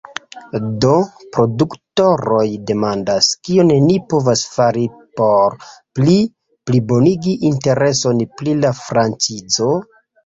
Do produktoroj demandas; kion ni povas fari por pli plilongigi intereson pri la franĉizo?